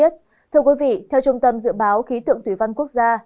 thưa quý vị theo trung tâm dự báo khí tượng thủy văn quốc gia